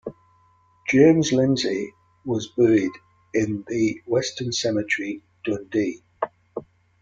James Lindsay was buried in the Western Cemetery, Dundee.